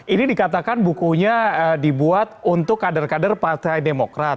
ini dikatakan bukunya dibuat untuk kader kader partai demokrat